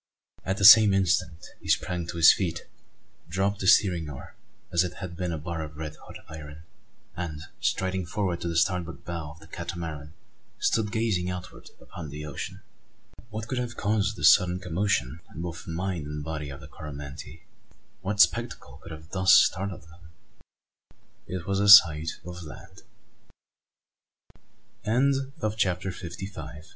At the same instant he sprang to his feet, dropped the steering oar, as if it had been a bar of red hot iron; and, striding forward to the starboard bow of the Catamaran stood gazing outward upon the ocean! What could have caused this sudden commotion in both the mind and body of the Coromantee? What spectacle could have thus startled him? It was the sight of land! CHAPTER FIFTY SIX.